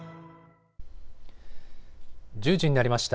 １０時になりました。